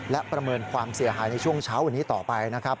และประเมินความเสียหายในช่วงเช้าวันนี้ต่อไปนะครับ